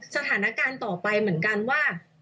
สถานการณ์ต่อไปเหมือนกันว่า